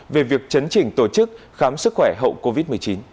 về việc chấn chỉnh tổ chức khám sức khỏe hậu covid một mươi chín